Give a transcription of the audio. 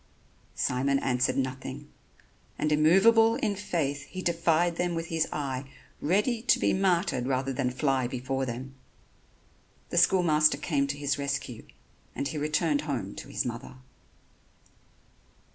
Simon answered nothing; and immovable in faith he defied them with his eye, ready to be martyred rather than fly before them. The school master came to his rescue and he returned home to his mother.